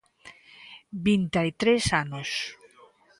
Vinta e tres anos.